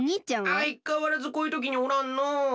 あいかわらずこういうときにおらんのう。